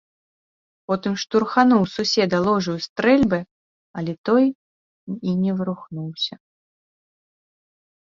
Потым штурхануў суседа ложаю стрэльбы, але той і не варухнуўся.